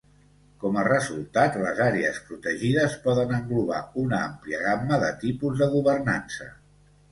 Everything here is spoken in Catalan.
Com a resultat, les àrees protegides poden englobar una àmplia gamma de tipus de governança.